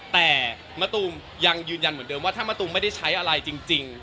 แต่มะตูมยังยืนยันเหมือนเดิมว่าถ้ามะตูมไม่ได้ใช้อะไรจริง